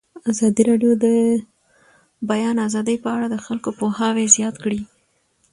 ازادي راډیو د د بیان آزادي په اړه د خلکو پوهاوی زیات کړی.